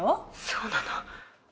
そうなの？